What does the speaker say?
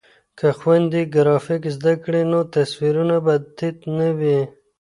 که خویندې ګرافیک زده کړي نو تصویرونه به تت نه وي.